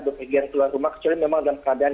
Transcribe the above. berpergian keluar rumah kecuali memang dalam keadaan